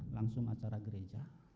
langsung acara gereja